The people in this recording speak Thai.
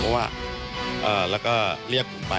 มีความรู้สึกว่ามีความรู้สึกว่า